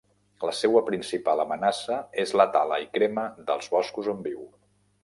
La seua principal amenaça és la tala i crema dels boscos on viu.